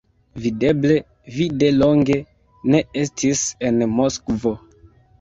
Videble, vi de longe ne estis en Moskvo.